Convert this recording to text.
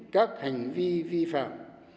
các hành vi vi phạm